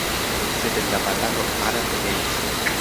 Sed en la batalo Ara pereis.